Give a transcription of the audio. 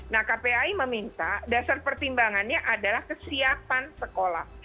nah kpai meminta dasar pertimbangannya adalah kesiapan sekolah